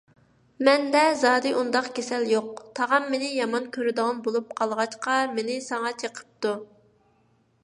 مەندە زادى ئۇنداق كېسەل يوق؛ تاغام مېنى يامان كۆرىدىغان بولۇپ قالغاچقا، مېنى ساڭا چېقىپتۇ.